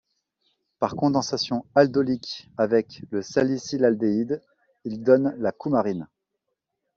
Par condensation aldolique avec le salicylaldéhyde, il donne la coumarine.